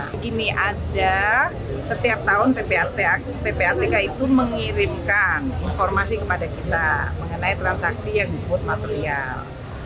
begini ada setiap tahun ppatk itu mengirimkan informasi kepada kita mengenai transaksi yang disebut material